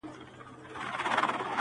زاړه خلک چوپتيا غوره کوي,